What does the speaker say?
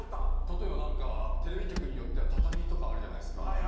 例えばなんかテレビ局によっては畳とかあるじゃないですか。